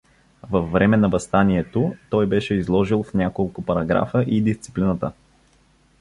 във време на въстанието, той беше изложил в няколко параграфа и дисциплината.